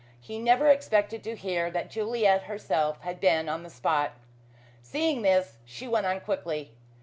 He never expected to hear that Juliet herself had been on the spot. Seeing this, she went on quickly.